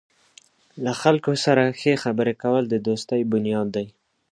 له خلکو سره ښې خبرې کول د دوستۍ بنیاد دی.